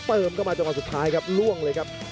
เติมเข้ามาจังหวะสุดท้ายครับล่วงเลยครับ